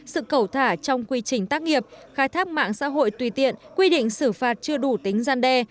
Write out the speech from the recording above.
sự cầu thả trong quy trình tác nghiệp khai thác mạng xã hội tùy tiện quy định xử phạt chưa đủ tính gian đe